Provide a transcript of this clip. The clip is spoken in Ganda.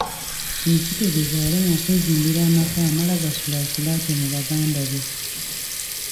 Kino kitegeeza yalemwa okwezimbira amaka amala gasulaasula atyo mu baganda be.